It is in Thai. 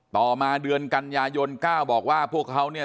ต่อมาเดือนกันยายนก้าวบอกว่าพวกเขาเนี่ย